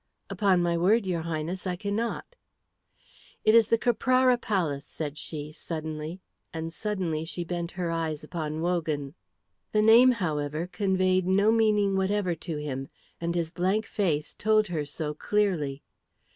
"Upon my word, your Highness, I cannot." "It is the Caprara Palace," said she, suddenly, and suddenly she bent her eyes upon Wogan. The name, however, conveyed no meaning whatever to him, and his blank face told her so clearly.